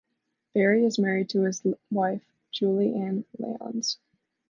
Barry is married to his wife Julie Ann Lyons.